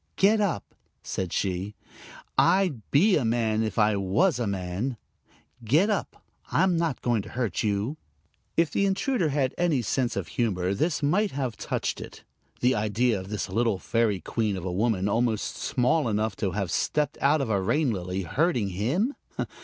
"Get up," said she. "I'd be a man if I was a man. Get up. I'm not going to hurt you." If the intruder had any sense of humor, this might have touched it; the idea of this little fairy queen of a woman, almost small enough to have stepped out of a rain lily, hurting him!